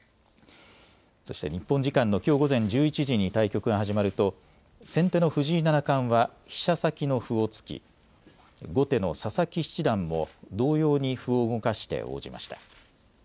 そして日本時間のきょう午前１１時に対局が始まると先手の藤井七冠は飛車先の歩を突き後手の佐々木七段も同様に歩を動かして応じました。